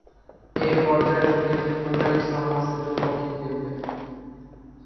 এ পর্যায়ে ছুটির দিনগুলোয় সমারসেটের পক্ষে খেলতেন।